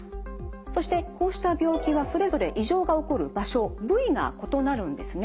そしてこうした病気はそれぞれ異常が起こる場所部位が異なるんですね。